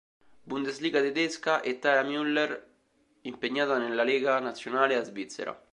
Bundesliga tedesca, e Tara Mueller, impegnata nella Lega Nazionale A svizzera.